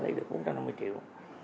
để lấy được bốn trăm năm mươi triệu